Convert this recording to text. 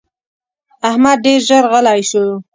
احمد ډېر ژر غلی شو.